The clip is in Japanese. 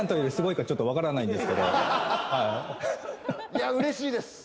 いやうれしいです。